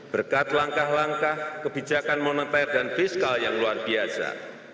berkat langkah langkah kebijakan moneter dan fiskal yang luar biasa